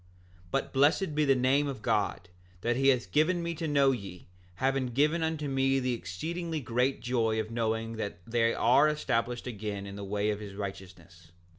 7:4 But blessed be the name of God, that he hath given me to know, yea, hath given unto me the exceedingly great joy of knowing that they are established again in the way of his righteousness.